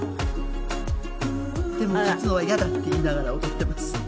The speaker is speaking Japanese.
でも勝野は「嫌だ」って言いながら踊っています。